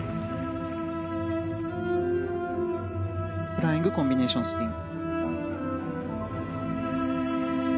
フライングコンビネーションスピン。